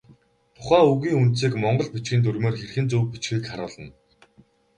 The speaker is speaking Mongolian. Тухайн үгийн үндсийг монгол бичгийн дүрмээр хэрхэн зөв бичихийг харуулна.